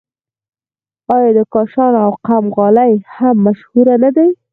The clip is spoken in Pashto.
آیا د کاشان او قم غالۍ هم مشهورې نه دي؟